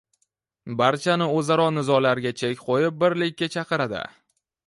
barchani o'zaro nizolarga chek qo'yib birlikka chaqiradi.